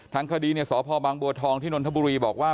ทั้งคดีเนี่ยสพบังบัวทองที่นนทบุรีบอกว่า